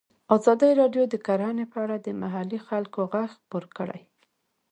ازادي راډیو د کرهنه په اړه د محلي خلکو غږ خپور کړی.